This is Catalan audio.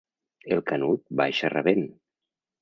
El Canut baixa rabent.